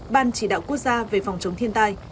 ban chỉ đạo quốc gia về phòng chống thiên tai